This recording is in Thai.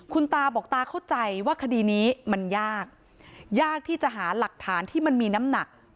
คุณตาบอกตาเข้าใจว่าคดีนี้มันยากยากที่จะหาหลักฐานที่มันมีน้ำหนัก